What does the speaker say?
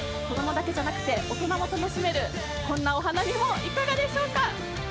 子供だけじゃなくて大人も楽しめるこんなお花見もいかがでしょうか？